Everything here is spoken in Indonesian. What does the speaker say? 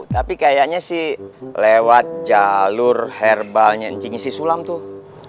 tapi kayaknya sih lewat jalur herbalnya ncingisi sulam tuh